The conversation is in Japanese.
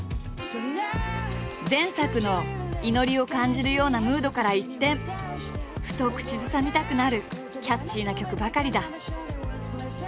前作の祈りを感じるようなムードから一転ふと口ずさみたくなるキャッチーな曲ばかりだ。